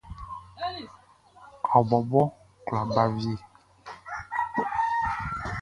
Ɔ bɔbɔ kwla ba wie.